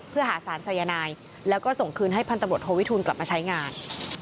เพื่อหาสารสายนายแล้วก็ส่งคืนให้พันตำรวจโทวิทูลกลับมาใช้งาน